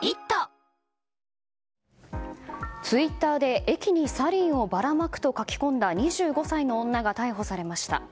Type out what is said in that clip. ツイッターで、駅にサリンをばらまくと書き込んだ２５歳の女が逮捕されました。